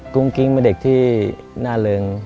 กุ้งกิ๊งเป็นเด็กที่น่าเริง